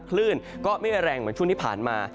คลื่นก็ไม่แรงเหมือนช่วงที่ผ่านมา